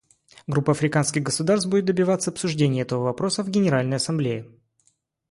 Группа африканских государств будет добиваться обсуждения этого вопроса в Генеральной Ассамблее.